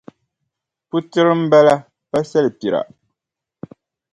Putira m-bala pa salipira.